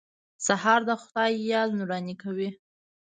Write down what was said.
سهار د خدای یاد نوراني کوي.